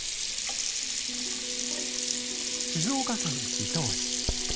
静岡県伊東市。